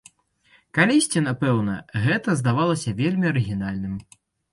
Калісьці, напэўна, гэта здавалася вельмі арыгінальным.